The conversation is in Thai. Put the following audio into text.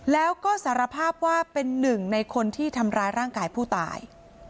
แล้วก็สารภาพว่าเป็นหนึ่งในคนที่ทำร้ายร่างกายผู้ตาย